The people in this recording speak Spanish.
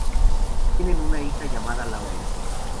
Tienen una hija llamada Lauren.